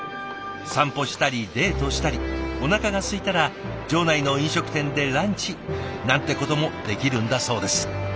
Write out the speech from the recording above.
散歩したりデートしたりおなかがすいたら場内の飲食店でランチなんてこともできるんだそうです。